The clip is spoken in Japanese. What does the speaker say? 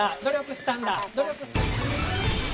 ど力したんだ！